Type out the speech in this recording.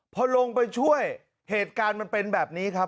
พอลงไปช่วยเหตุการณ์มันเป็นแบบนี้ครับ